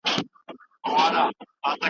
اودس د مؤمن وسله ده.